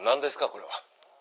これは。